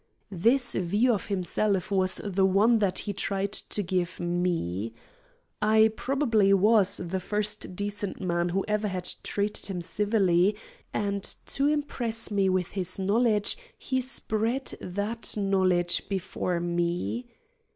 This view of himself was the one that he tried to give me. I probably was the first decent man who ever had treated him civilly, and to impress me with his knowledge he spread that knowledge before me.